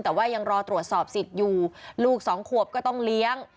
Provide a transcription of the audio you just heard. แต่ว่ายังรอตรวจสอบสิทธิ์อยู่ลูกสองขวบก็ต้องเลี้ยง